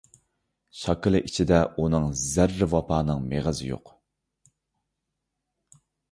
شاكىلى ئىچىدە ئۇنىڭ زەررە ۋاپانىڭ مېغىزى يوق.